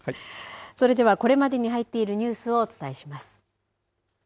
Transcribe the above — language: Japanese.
それではこれまでに入っているニュースをお伝えします。